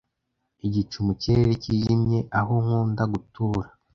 igicu mu kirere kijimye aho nkunda gutura